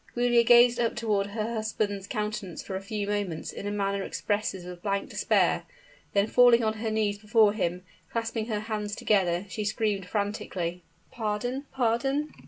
Giulia gazed up toward her husband's countenance for a few moments in a manner expressive of blank despair; then falling on her knees before him, clasping her hands together, she screamed frantically, "Pardon! pardon!"